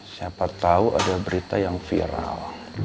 siapa tahu ada berita yang viral